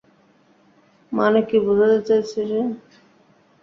মানে কী বুঝাতে চাইছে সে?